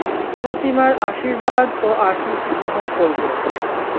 প্রতিমার আশির্বাদ ও আশিষ গ্রহণ করব।